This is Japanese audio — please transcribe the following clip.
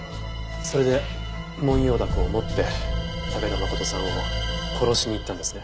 それでモンヨウダコを持って武田誠さんを殺しに行ったんですね？